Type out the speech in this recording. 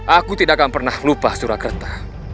aku tidak akan pernah lupa surakarta